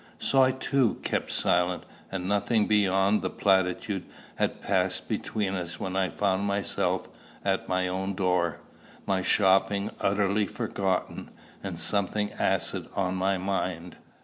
So I, too, kept silence, and nothing beyond a platitude had passed between us when I found myself at my own door, my shopping utterly forgotten, and something acid on my mind.